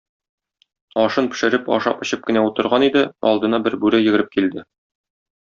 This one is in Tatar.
Ашын пешереп, ашап-эчеп кенә утырган иде, алдына бер бүре йөгереп килде.